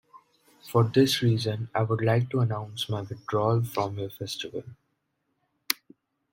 For this reason, I would like to announce my withdrawal from your festival.